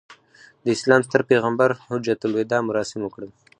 د اسلام ستر پیغمبر حجته الوداع مراسم وکړل.